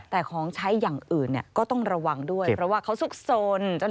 แต่ของใช้อย่างอื่นก็ต้องระวังด้วยเพราะว่าเขาซุกสน